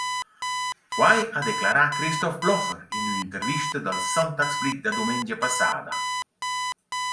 Quai ha declerà Christoph Blocher in ün’intervista dal «SonntagsBlick» da dumengia passada.